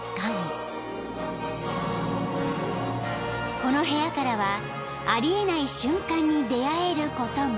［この部屋からはありえない瞬間に出合えることも］